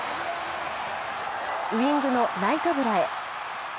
ウイングのナイカブラへ。